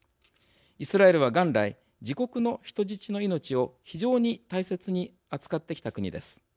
イスラエルは、元来自国の人質の命を非常に大切に扱ってきた国です。